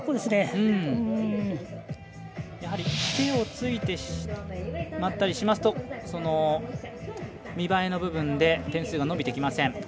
やはり手をついてしまったりしますと見栄えの部分で点数が伸びません。